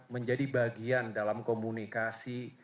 menjadi bagian dalam komunikasi